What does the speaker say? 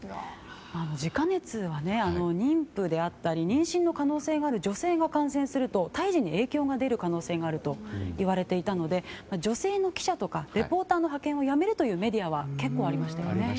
ジカ熱は、妊婦であったり妊娠の可能性がある女性が感染すると胎児に影響が出る可能性があるといわれていたので女性の記者とかレポーターの派遣をやめるというメディアは結構ありましたよね。